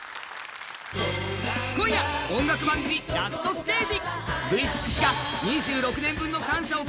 今夜音楽番組ラストステージ。